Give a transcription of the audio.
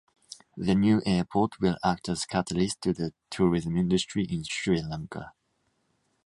The new airport will act as catalyst to the tourism industry in Sri Lanka.